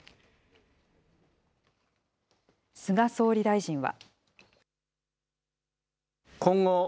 菅総理大臣は。